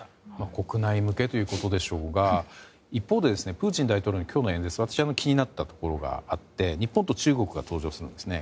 国内向けということでしょうが一方でプーチン大統領の今日の演説で私、気になったところがあって日本と中国が登場するんですね。